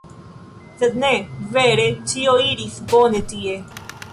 Sed ne. Vere, ĉio iris bone tie.